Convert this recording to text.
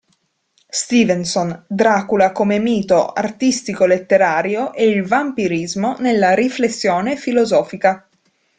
Stevenson, Dracula come mito artistico-letterario e il vampirismo nella riflessione filosofica.